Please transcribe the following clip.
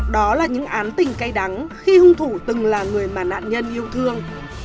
đó là những án tình cay đắng khi hung thủ từng là người mà nạn nhân yêu thương